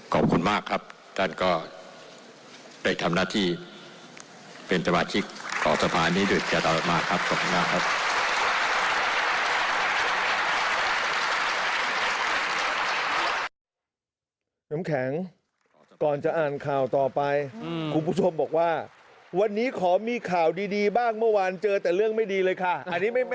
ขอบคุณมากครับท่านก็ได้ทำหน้าที่เป็นสมาชิกต่อสภานี้ด้วยกันมาครับขอบคุณมากครับ